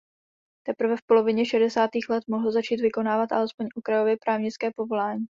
Teprve v polovině šedesátých let mohl začít vykonávat alespoň okrajově právnické povolání.